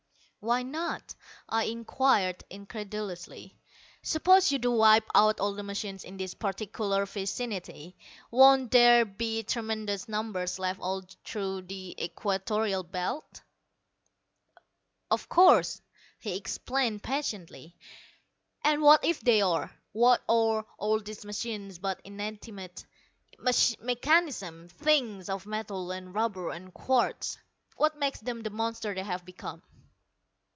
"Why not?" I inquired incredulously. "Suppose you do wipe out all the machines in this particular vicinity, won't there be tremendous numbers left all through the Equatorial Belt?" "Of course," he explained patiently, "and what if they are? What are all these machines but inanimate mechanisms, things of metal and rubber and quartz. What makes them the monsters they have become?"